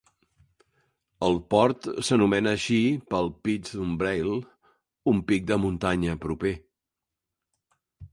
El port s'anomena així pel "Piz Umbrail", un pic de muntanya proper.